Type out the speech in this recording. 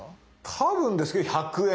多分ですけど１００円。